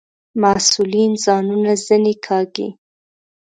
مسئولین ځانونه ځنې کاږي.